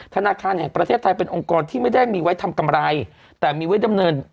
ธนาคารแห่งประเทศไทยเป็นองค์กรที่ไม่ได้มีไว้ทำกำไรแต่มีไว้ดำเนิน